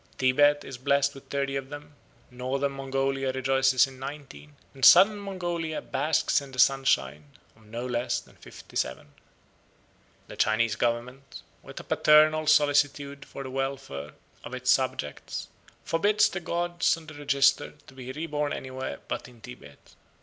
Tibet is blessed with thirty of them, Northern Mongolia rejoices in nineteen, and Southern Mongolia basks in the sunshine of no less than fifty seven. The Chinese government, with a paternal solicitude for the welfare of its subjects, forbids the gods on the register to be reborn anywhere but in Tibet.